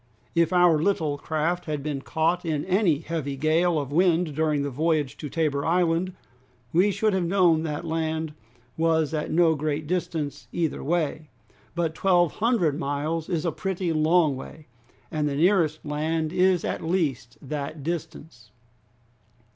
If our little craft had been caught in any heavy gale of wind during the voyage to Tabor Island, we should have known that land was at no great distance either way; but twelve hundred miles is a pretty long way, and the nearest land is at least that distance!"